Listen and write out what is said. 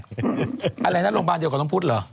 อะไรนะโรงพยาบาลเดียวกับน้องพุทธเหรอ